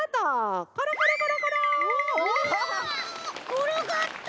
ころがった！